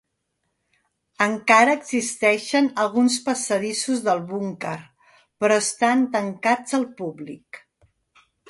Encara existeixen alguns passadissos del búnquer, però estan tancats al públic.